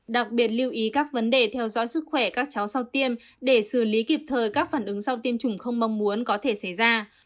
đặc biệt lưu ý các vấn đề theo dõi sức khỏe các cháu sau tiêm để xử lý kịp thời các phản ứng sau tiêm chủng không mong muốn có thể xảy ra